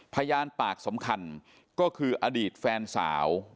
พยานปากสำคัญก็คืออดีตแฟนสาว